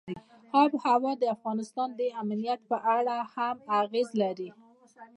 آب وهوا د افغانستان د امنیت په اړه هم اغېز لري.